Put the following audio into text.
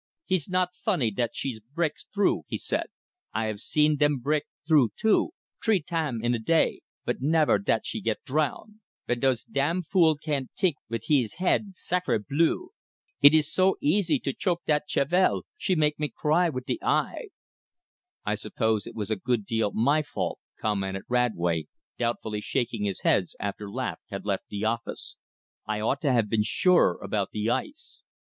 "Hee's not fonny dat she bre'ks t'rough," he said. "I 'ave see dem bre'k t'rough two, t'ree tam in de day, but nevaire dat she get drown! W'en dose dam fool can't t'ink wit' hees haid sacre Dieu! eet is so easy, to chok' dat cheval she make me cry wit' de eye!" "I suppose it was a good deal my fault," commented Radway, doubtfully shaking his head, after Laveque had left the office. "I ought to have been surer about the ice."